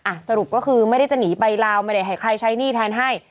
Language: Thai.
สรุปก็คือไม่ได้จะหนีไปลาวไม่ได้ให้ใครใช้หนี้แทนให้